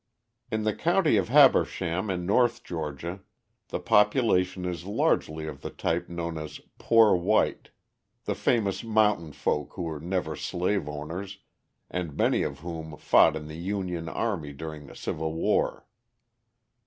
In the county of Habersham in North Georgia the population is largely of the type known as "poor white" the famous mountain folk who were never slave owners and many of whom fought in the Union army during the Civil War.